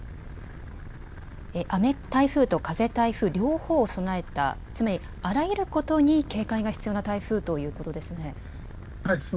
雨台風と風台風、両方備えた、つまりあらゆることに警戒が必要そうですね。